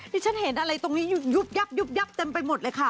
ที่ฉันเห็นอะไรตรงนี้ยุบยับยุบยับเต็มไปหมดเลยค่ะ